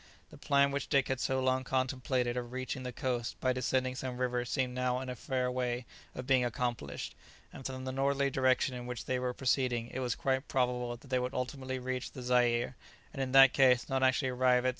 The plan which Dick had so long contemplated of reaching the coast by descending some river seemed now in a fair way of being accomplished, and from the northerly direction in which they were proceeding it was quite probable that they would ultimately reach the Zaire, and in that case not actually arrive at S.